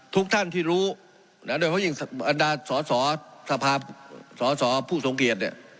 ทุกท่านที่รู้นะโดยเพราะยิ่งบรรดาสอสอสภาพสอสอผู้ทรงเกียจเนี่ย